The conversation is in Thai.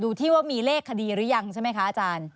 ที่ว่ามีเลขคดีหรือยังใช่ไหมคะอาจารย์